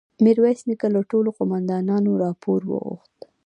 ميرويس نيکه له ټولو قوماندانانو راپور وغوښت.